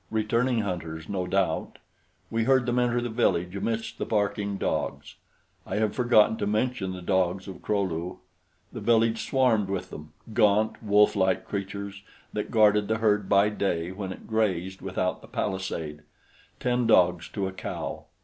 Returning hunters, no doubt. We heard them enter the village amidst the barking dogs. I have forgotten to mention the dogs of Kro lu. The village swarmed with them, gaunt, wolflike creatures that guarded the herd by day when it grazed without the palisade, ten dogs to a cow.